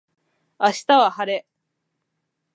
明日は晴れ